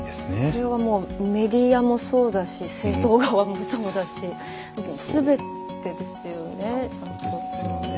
これはもうメディアもそうだし政党側もそうだしすべてですよね。ですよね。